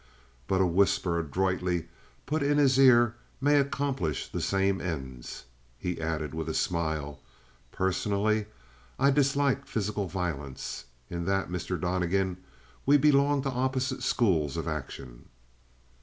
But a whisper adroitly put in his ear may accomplish the same ends." He added with a smile. "Personally, I dislike physical violence. In that, Mr. Donnegan, we belong to opposite schools of action."